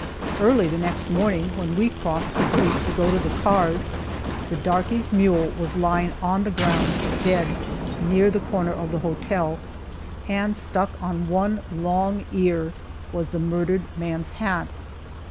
Early the next morning, when we crossed the street to go to the cars, the darky's mule was lying on the ground, dead, near the corner of the hotel, and stuck on one long ear was the murdered man's hat.